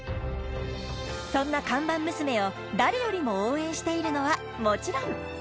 そんな看板娘を誰よりも応援しているのはもちろん！